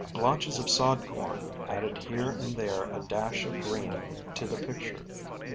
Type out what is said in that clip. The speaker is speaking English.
Blotches of sod corn added here and there a dash of green to the picture.